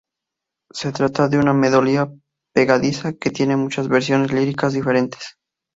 Se trata de una melodía pegadiza que tiene muchas versiones líricas diferentes.